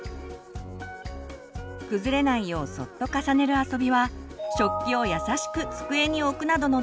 崩れないようそっと重ねる遊びは食器をやさしく机に置くなどの動作につながります。